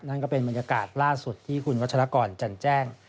นั่นก็เป็นบรรยากาศล่าสุดที่คุณวัชรากรจันแจ้ง